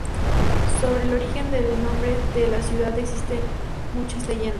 Sobre el origen del nombre de la ciudad existen muchas leyendas.